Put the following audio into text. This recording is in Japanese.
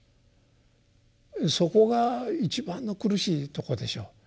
そこが一番の苦しいとこでしょう。